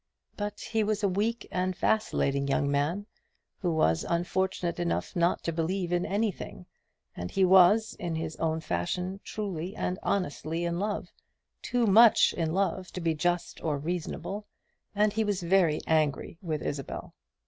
But he was a weak vacillating young man, who was unfortunate enough not to believe in anything, and he was, in his own fashion, truly and honestly in love, too much in love to be just or reasonable, and he was very angry with Isabel.